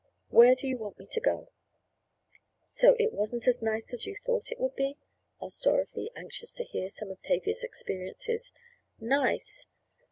Where do you want me to go?" "So it wasn't as nice as you thought it would be?" asked Dorothy, anxious to hear some of Tavia's experiences. "Nice?"